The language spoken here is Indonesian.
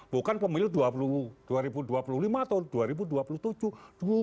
bukan pemilu dua ribu dua puluh lima atau dua ribu dua puluh tujuh